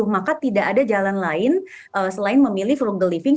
maka tidak ada jalan lain selain memilih frugal living